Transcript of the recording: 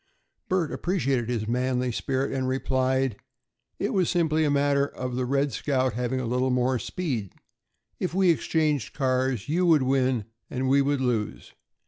Bert appreciated his manly spirit, and replied, "It was simply a matter of the 'Red Scout' having a little more speed. If we exchanged cars, you would win and we would lose.